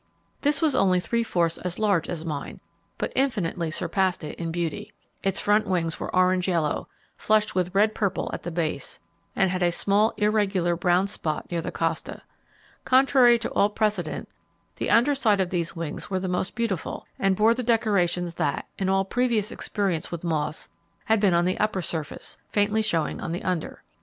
This was only three fourths as large as mine, but infinitely surpassed it in beauty. Its front wings were orange yellow, flushed with red purple at the base, and had a small irregular brown spot near the costa. Contrary to all precedent, the under side of these wings were the most beautiful, and bore the decorations that, in all previous experience with moths, had been on the upper surface, faintly showing on the under.